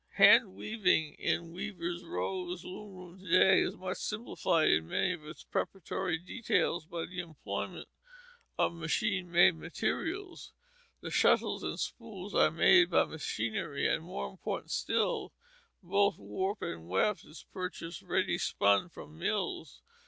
Hand weaving in Weaver Rose's loom room to day is much simplified in many of its preparatory details by the employment of machine made materials. The shuttles and spools are made by machinery; and more important still, both warp and weft is purchased ready spun from mills.